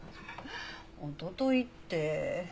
おとといって。